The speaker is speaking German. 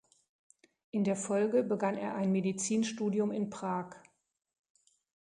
In der Folge begann er ein Medizinstudium in Prag.